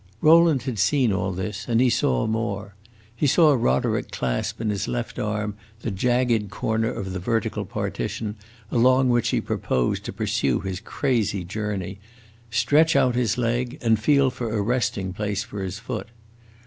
Rowland had seen all this, and he saw more. He saw Roderick clasp in his left arm the jagged corner of the vertical partition along which he proposed to pursue his crazy journey, stretch out his leg, and feel for a resting place for his foot.